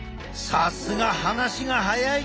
さすが話が早い！